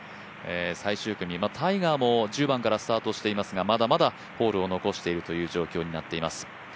最終組、タイガーも１０番からスタートしていますがまだまだホールを残しているという状況になっています。